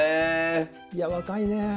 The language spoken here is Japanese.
いや若いね！